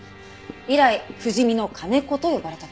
以来不死身の金子と呼ばれたと。